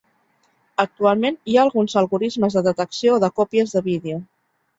Actualment hi ha alguns algorismes de detecció de còpies de vídeo.